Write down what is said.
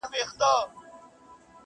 مخا مخ ورته چا نه سو ورکتلای!!